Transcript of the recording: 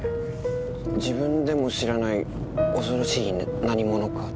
自分でも知らない恐ろしい何ものか。